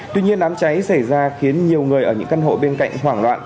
tuy nhiên đám cháy xảy ra khiến nhiều người ở những căn hộ bên cạnh hoảng loạn